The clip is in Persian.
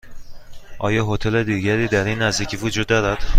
آیا هتل دیگری در این نزدیکی وجود دارد؟